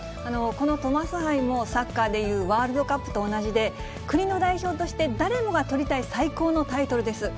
このトマス杯もサッカーで言う、ワールドカップと同じで、国の代表として誰もが取りたい最高のタイトルです。